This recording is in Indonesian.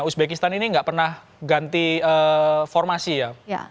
uzbekistan ini nggak pernah ganti formasi ya